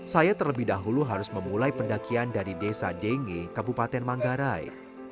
saya terlebih dahulu harus memulai pendakian dari desa denge kabupaten manggarai